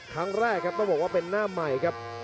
ครั้งแรกครับต้องบอกว่าเป็นหน้าใหม่ครับ